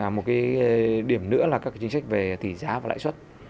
một điểm nữa là các chính sách về tỷ giá và lãi xuất